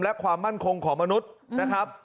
และความมั่นคงของมนุษย์นะครับ